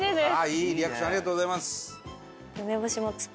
いいリアクションありがとうございます。